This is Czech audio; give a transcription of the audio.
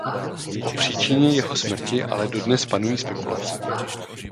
O příčině jeho smrti ale dodnes panují spekulace.